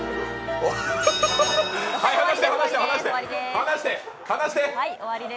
離して、離して！